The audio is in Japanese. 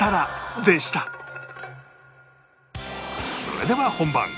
それでは本番